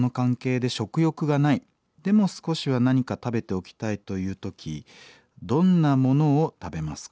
でも少しは何か食べておきたいという時どんなものを食べますか？